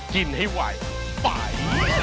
กินให้ไวไป